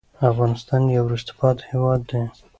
افغانستان يو وروسته پاتې هېواد دې